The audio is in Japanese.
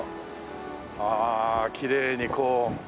ああきれいにこう。